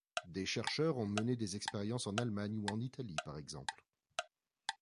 Des chercheurs ont mené des expériences en Allemagne ou en Italie par exemple.